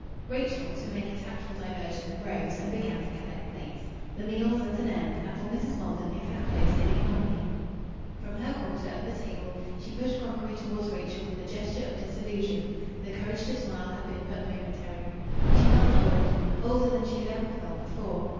Rachel, to make a tactful diversion, rose and began to collect plates. The meal was at an end, and for Mrs. Maldon it had closed in ignominy. From her quarter of the table she pushed crockery towards Rachel with a gesture of disillusion; the courage to smile had been but momentary. She felt old older than she had ever felt before.